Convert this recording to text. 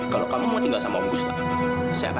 kalau kamu mau marah marah aja sama aku